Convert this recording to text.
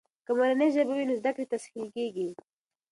که مورنۍ ژبه وي، نو زده کړې تسهیل کیږي.